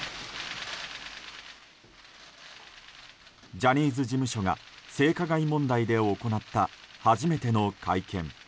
ジャニーズ事務所が性加害問題で行った初めての会見。